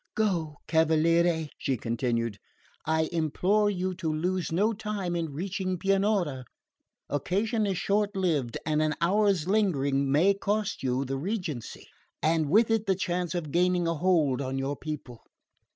"Go, cavaliere," she continued, "I implore you to lose no time in reaching Pianura. Occasion is short lived, and an hour's lingering may cost you the regency, and with it the chance of gaining a hold on your people.